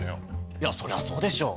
いやそりゃそうでしょ